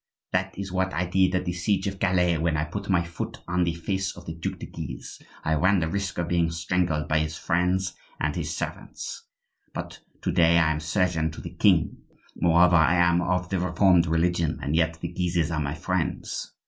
That is what I did at the siege of Calais when I put my foot on the face of the Duc de Guise,—I ran the risk of being strangled by his friends and his servants; but to day I am surgeon to the king; moreover I am of the Reformed religion; and yet the Guises are my friends.